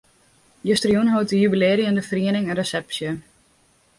Justerjûn hold de jubilearjende feriening in resepsje.